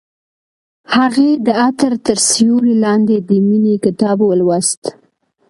هغې د عطر تر سیوري لاندې د مینې کتاب ولوست.